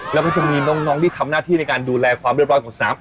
แล้วก็จะมีน้องที่ทำหน้าที่ในการดูแลความเรียบร้อยของสนาม